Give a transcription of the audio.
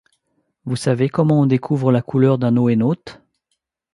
Vous savez comment on découvre la couleur d’un NoéNaute ?